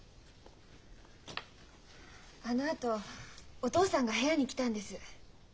あのあとお父さんが部屋に来たんです。